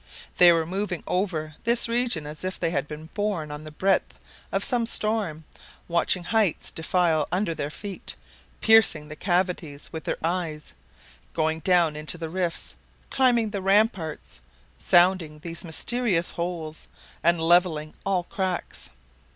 They were moving over this region as if they had been borne on the breath of some storm, watching heights defile under their feet, piercing the cavities with their eyes, going down into the rifts, climbing the ramparts, sounding these mysterious holes, and leveling all cracks.